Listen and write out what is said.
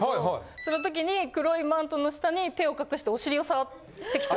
その時に黒いマントの下に手を隠してお尻を触ってきた。